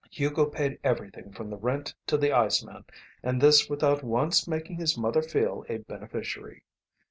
Hugo paid everything from the rent to the iceman, and this without once making his mother feel a beneficiary.